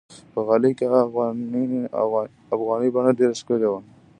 په غالۍ کې افغاني بڼه ډېره ښکلي وي.